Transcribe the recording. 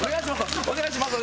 お願いしますよ！